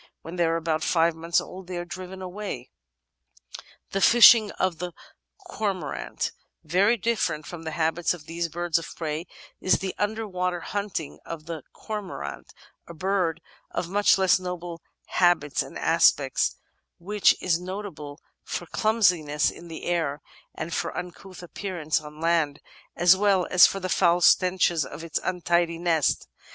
When they are about five months old they are driven away. The Fishing of the Cormorant Very different from the habits of these birds of prey is the under water hunting of the Cormorant, a bird of much less noble habits and aspect, which is notable for clumsiness in the air, and for uncouth appearance on land, as well as for the foul stenches of its untidy nest!